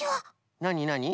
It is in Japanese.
なになに？